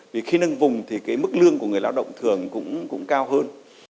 vì khi nâng vùng thì cái mức lương của người lao động thường cũng cao hơn